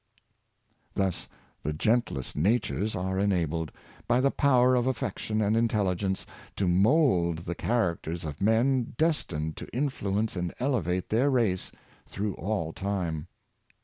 Thus the gentlest natures are enabled, by the power of affection and intelligence, to mould the characters of men destined to influence and elevate their race through all time.